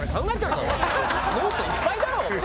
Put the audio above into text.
ノートいっぱいだろお前！